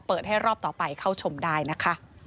ให้รอบต่อไปเข้าชมได้นะคะ